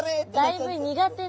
だいぶ苦手な。